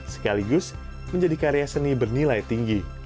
sekaligus menjadi karya seni bernilai tinggi